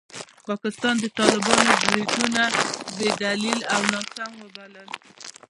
پاکستان د طالبانو بریدونه بې دلیله او ناسم وبلل.